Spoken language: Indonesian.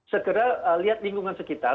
segera lihat lingkungan sekitar